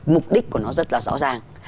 mục đích của nó rất là rõ ràng